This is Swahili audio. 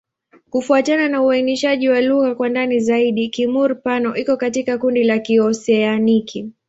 Kufuatana na uainishaji wa lugha kwa ndani zaidi, Kimur-Pano iko katika kundi la Kioseaniki.